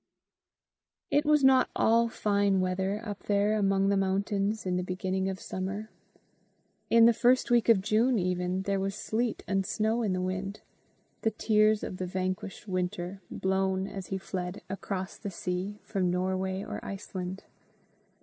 It was not all fine weather up there among the mountains in the beginning of summer. In the first week of June even, there was sleet and snow in the wind the tears of the vanquished Winter, blown, as he fled, across the sea, from Norway or Iceland.